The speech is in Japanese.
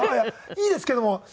いいですけども。